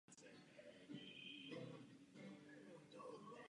Na začátek trochu kritiky.